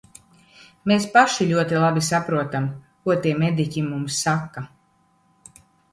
Mēs paši ļoti labi saprotam, ko tie mediķi mums saka.